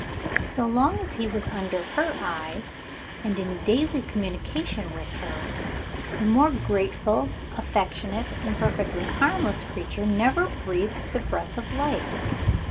So long as he was under her eye, and in daily communication with her, a more grateful, affectionate, and perfectly harmless creature never breathed the breath of life.